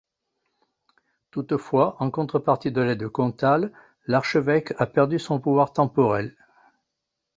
Toutefois, en contrepartie de l’aide comtale, l'archevêque a perdu son pouvoir temporel.